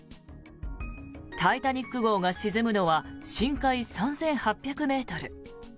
「タイタニック号」が沈むのは深海３８００ｍ。